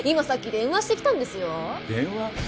電話？